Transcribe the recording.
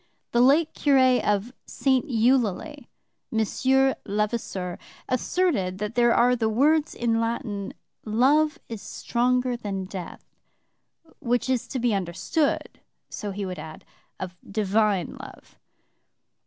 The late curé of St. Eulalie, Monsieur Levasseur, asserted that there are the words in Latin, Love is stronger than death, 'which is to be understood,' so he would add, 'of divine love.'